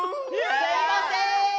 ・すいません！